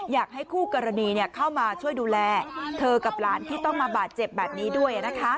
อยากให้คู่กรณีเข้ามาช่วยดูแลเธอกับหลานที่ต้องมาบาดเจ็บแบบนี้ด้วย